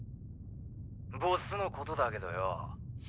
ボスのことだけどよぉ。